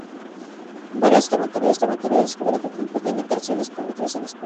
Varias canciones de este material discográfico contiene canciones con letras en español.